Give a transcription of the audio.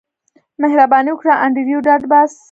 مهرباني وکړه انډریو ډاټ باس